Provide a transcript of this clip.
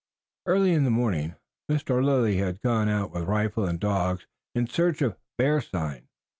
Early in the morning Mr. Lilly had gone out with rifle and dogs in search of "bear sign."